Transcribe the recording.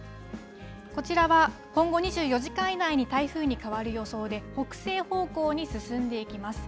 こちらは今後２４時間以内に台風に変わる予想で、北西方向に進んでいきます。